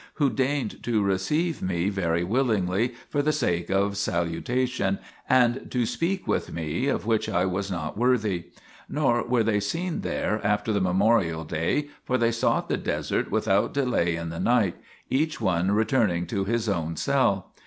38 THE PILGRIMAGE OF ETHERIA deigned to receive me very willingly for the sake of salutation, and to speak with me, of which I was not worthy. Nor were they seen there after the memorial day, for they sought the desert without delay in the night, each one returning to his own cell.